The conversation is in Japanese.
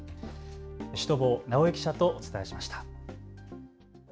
シュトボー、直井記者とお伝えしました。